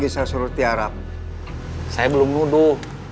saya belum nuduh